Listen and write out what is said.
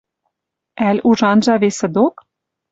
Ӓль уж анжа весӹ док?